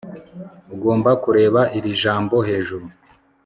Ugomba kureba iri jambo hejuru